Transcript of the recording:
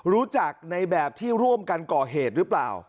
รู้จักในแบบที่ร่วมกันก่อเหตุหรือเปล่า